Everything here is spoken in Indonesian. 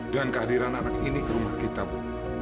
dan kehadiran anak ini ke rumah kita bu